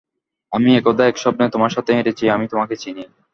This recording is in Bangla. আমি একদা এক স্বপ্নে তোমার সাথে হেঁটেছি আমি তোমাকে চিনি।